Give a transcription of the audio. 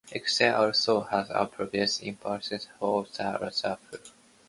Education also has a profound impact on society as a whole.